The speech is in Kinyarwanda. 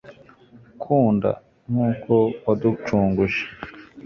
ukunda, nk'uko waducunguje